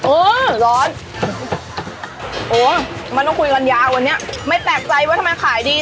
เออร้อนโอ้มันต้องคุยกันยาววันนี้ไม่แปลกใจว่าทำไมขายดี